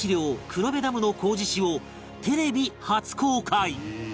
黒部ダムの工事誌をテレビ初公開